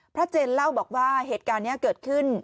พระเจนเล่าบอกว่าเหตุการณ์นี้เคยกิน